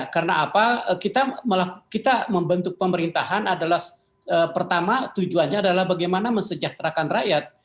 karena apa kita membentuk pemerintahan adalah pertama tujuannya adalah bagaimana mesejahterakan rakyat